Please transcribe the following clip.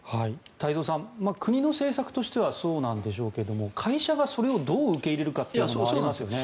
太蔵さん国の政策としてはそうなんでしょうけど会社がそれをどう受け入れるかというのもありますよね。